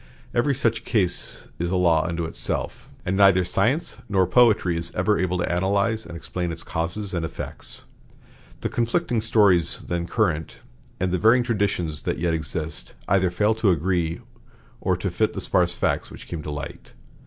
Every such case is a law unto itself, and neither science nor poetry is ever able to analyze and explain its causes and effects. The conflicting stories then current, and the varying traditions that yet exist, either fail to agree or to fit the sparse facts which came to light.